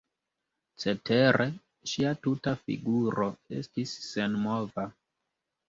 Cetere ŝia tuta figuro estis senmova.